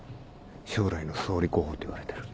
将来の総理候補といわれてる。